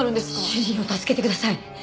主人を助けてください！